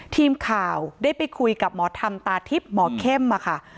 ทีมข่าวได้ไปคุยกับหมอธรรมตาทิพย์หมอเข้มค่ะ